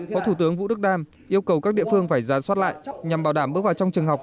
phó thủ tướng vũ đức đam yêu cầu các địa phương phải gián soát lại nhằm bảo đảm bước vào trong trường học